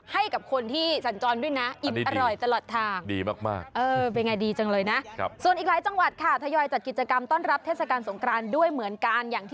ให้กับคนที่สัญจรด้วยนะอิ่มอร่อยตลอดทาง